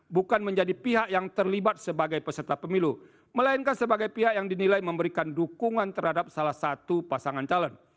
bukan menjadi pihak yang terlibat sebagai peserta pemilu melainkan sebagai pihak yang dinilai memberikan dukungan terhadap salah satu pasangan calon